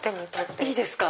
いいですか。